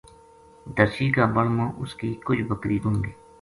درشی کا بن ما اس کی کجھ بکری گُم گئی